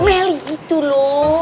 mel gitu loh